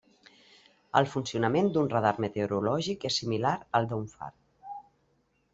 El funcionament d'un radar meteorològic és similar al d'un far.